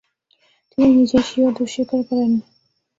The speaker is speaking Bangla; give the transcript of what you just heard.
তিনি নিজেই স্বীয় দোষ স্বীকার করেন।